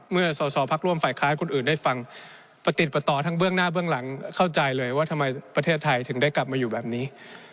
สอสอพักร่วมฝ่ายค้านคนอื่นได้ฟังประติดประต่อทั้งเบื้องหน้าเบื้องหลังเข้าใจเลยว่าทำไมประเทศไทยถึงได้กลับมาอยู่แบบนี้